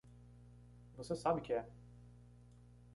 Você sabe que é!